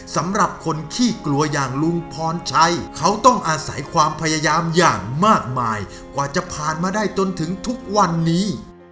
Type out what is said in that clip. สำหรับคนขี้กลัวอย่างลุงพรชัยเขาต้องอาศัยความพยายามอย่างมากมายกว่าจะผ่านมาได้จนถึงทุกวันนี้